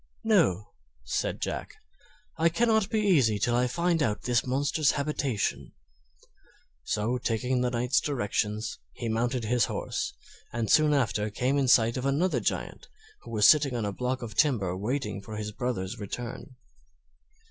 "No," Said Jack, "I cannot be easy till I find out this monster's habitation." So taking the Knight's directions, he mounted his horse and soon after came in sight of another Giant, who was sitting on a block of timber waiting for his brother's return.